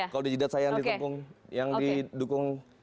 kalau di jidat saya yang didukung